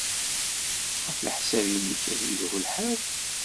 Ɣef leḥsab-nnek, ad yelhu lḥal?